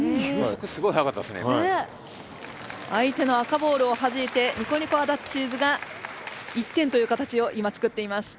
相手の赤ボールをはじいてニコニコあだっちーずが１点という形を今作っています。